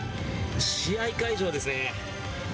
試合会場ですね。